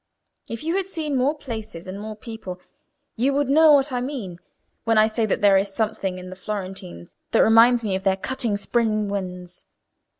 If you had seen more places and more people, you would know what I mean when I say that there is something in the Florentines that reminds me of their cutting spring winds.